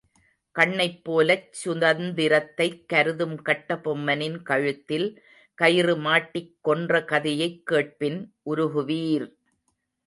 கண்ணைப் போலச் சுதந்தி ரத்தைக் கருதும் கட்ட பொம்மனின் கழுத்தில் கயிறு மாட்டிக் கொன்ற கதையைக் கேட்பின் உருகுவீர்!